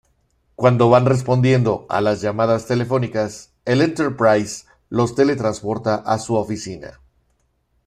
Cuando van respondiendo a las llamadas telefónicas el Enterprise los teletransporta a su oficina.